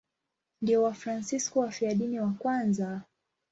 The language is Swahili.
Ndio Wafransisko wafiadini wa kwanza.